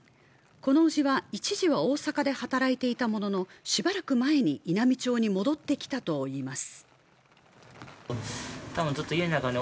この伯父は一時は大阪で働いていたものの、しばらく前に稲美町に戻ってきたといいます。